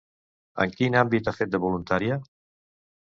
En quin àmbit ha fet de voluntària?